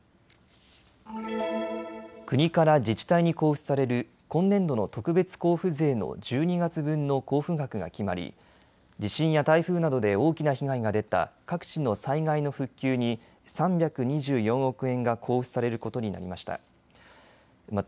国から自治体に交付される今年度の特別交付税の１２月分の交付額が決まり地震や台風などで大きな被害が出た各地の災害の復旧に３２４億円が交付されることになりました。